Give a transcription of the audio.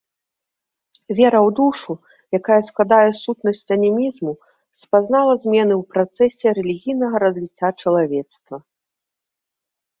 Вера ў душу, якая складае сутнасць анімізму, спазнала змены ў працэсе рэлігійнага развіцця чалавецтва.